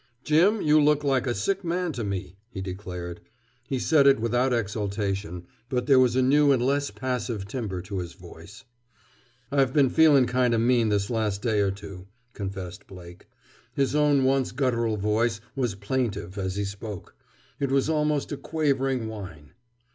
"Jim, you look like a sick man to me!" he declared. He said it without exultation; but there was a new and less passive timber to his voice. "I've been feeling kind o' mean this last day or two," confessed Blake. His own once guttural voice was plaintive, as he spoke. It was almost a quavering whine.